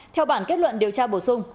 theo bản kết luận điều tra bổ sung